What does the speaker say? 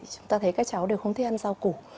chúng ta thấy các cháu đều không thích ăn rau củ